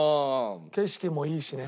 景色もいいしね。